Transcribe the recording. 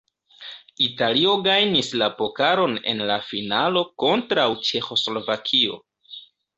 Italio gajnis la pokalon en la finalo kontraŭ Ĉeĥoslovakio.